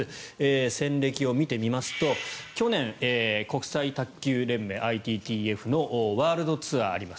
戦歴を見てみますと去年、国際卓球連盟・ＩＴＴＦのワールドツアーがあります。